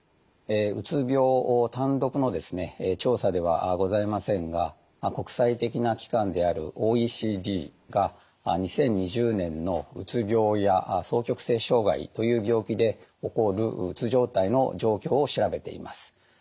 うつ病を単独の調査ではございませんが国際的な機関であるＯＥＣＤが２０２０年のうつ病や双極性障害という病気で起こるうつ状態の状況を調べています。